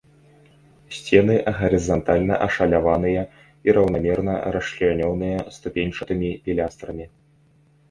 Сцены гарызантальна ашаляваныя і раўнамерна расчлянёныя ступеньчатымі пілястрамі.